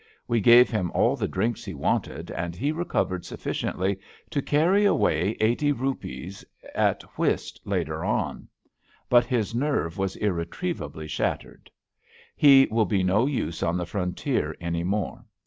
We gave him all the drinks he wanted, and he recovered sufficiently to carry away eighty rupees at whist later on; but his nerve was ir retrievably shattered. He will be no use on the frontier any more.